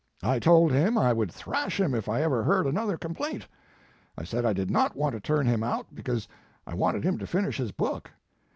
I told him I would thrash him if I ever heard another complaint. I said I did not want to turn him out because I wanted him to finish his book.